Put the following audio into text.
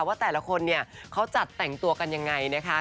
ว่าแต่ละคนเนี่ยเขาจัดแต่งตัวกันยังไงนะคะ